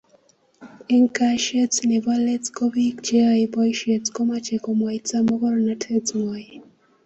eng kaeshet nebo let ko piik che yae poishet ko mache komwaita magornatet ngwai